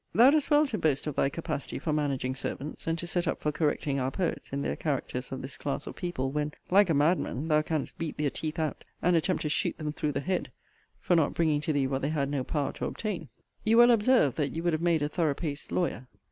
* The Windmill, near Slough. Thou dost well to boast of thy capacity for managing servants, and to set up for correcting our poets in their characters of this class of people,* when, like a madman, thou canst beat their teeth out, and attempt to shoot them through the head, for not bringing to thee what they had no power to obtain. * See Letter XX. of this volume. You well observe* that you would have made a thorough paced lawyer.